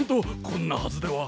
こんなはずでは。